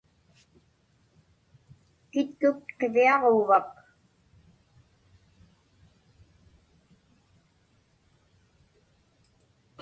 Kitkuk qiviaġuuvak?